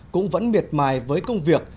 cũng vẫn miệt mài với công việc